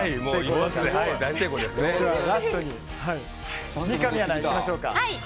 ではラストに三上アナいきましょうか。